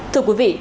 thưa quý vị